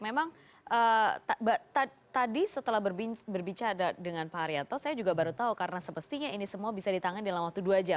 memang tadi setelah berbicara dengan pak haryanto saya juga baru tahu karena semestinya ini semua bisa ditangani dalam waktu dua jam